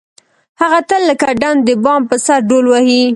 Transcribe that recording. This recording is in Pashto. هغه تل لکه ډم د بام په سر ډول وهي.